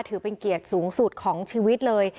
ถือเป็นเกียรติสูงสุดของชีวิตเลย